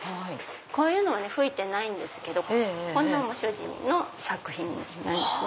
こういうのは吹いてないんですけどこういうのも主人の作品です。